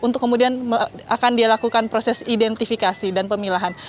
untuk kemudian akan dilakukan proses identifikasi dan pemilahan